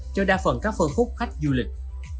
cho đa phần các phương phúc khách du lịch